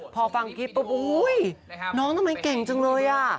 พอฟังคลิปปุ๊บอุ๊ยน้องทำไมเก่งจังเลยอ่ะ